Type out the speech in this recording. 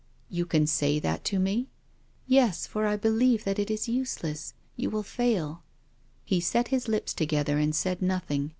" You can say that to mc ?"" Yes, for I believe that it is useless — you will fail." He set his lips together and said nothing.